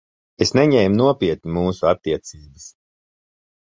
Es neņēmu nopietni mūsu attiecības.